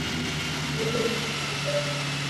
মুখের চির তির্যক।